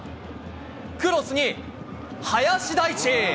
クロスに、林大地。